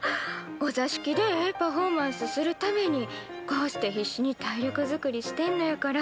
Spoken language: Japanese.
お座敷でええパフォーマンスするためにこうして必死に体力づくりしてんのやから。